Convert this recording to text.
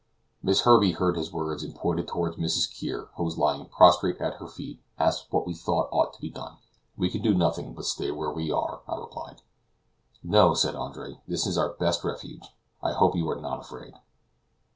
Miss Herbey heard his words and pointing toward Mrs. Kear, who was lying prostrate at her feet, asked what we thought ought to be done. "We can do nothing but stay where we are," I replied. "No," said Andre, "this is our best refuge; I hope you are not afraid."